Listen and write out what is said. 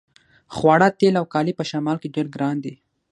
خواړه تیل او کالي په شمال کې ډیر ګران دي